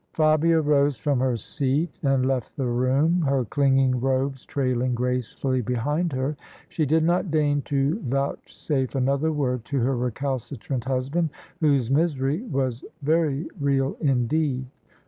Fabia rose from her seat and left the room, her clinging robes trailing gracefully behind her. She did not deign to vouchsafe another word to her recalcitrant husband, whose misery was very real indeed.